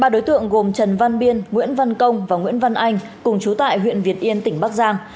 ba đối tượng gồm trần văn biên nguyễn văn công và nguyễn văn anh cùng chú tại huyện việt yên tỉnh bắc giang